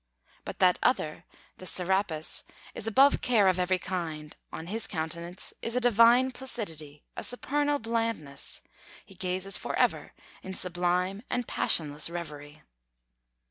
But that other, the Serapis, is above care of every kind; on his countenance is a divine placidity, a supernal blandness; he gazes for ever in sublime and passionless reverie.